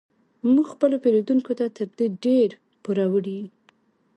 موږ خپلو پیرودونکو ته تر دې ډیر پور وړ یو